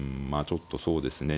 ちょっとそうですね